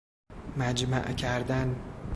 مجمع کردن